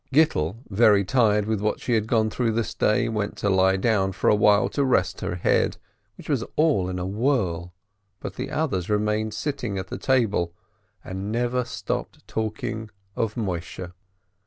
Gittel, very tired with all she had gone through this day, went to lie down for a while to rest her head, which was all in a whirl, but the others remained sitting at the table, and never stopped talking of Moisheh.